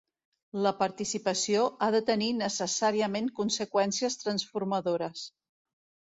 La participació ha de tenir necessàriament conseqüències transformadores.